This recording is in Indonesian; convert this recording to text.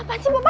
apaan sih bapak